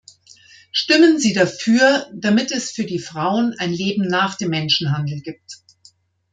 Stimmen Sie dafür, damit es für die Frauen ein Leben nach dem Menschenhandel gibt.